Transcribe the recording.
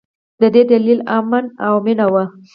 د دې دلیل امن او مینه وه.